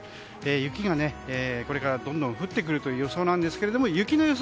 雪がどんどん降ってくる予想なんですが雪の予想